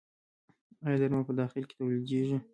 آیا درمل په داخل کې تولیدیږي؟